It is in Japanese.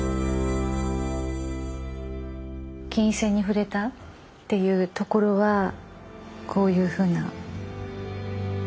琴線に触れたっていうところはこういうふうな。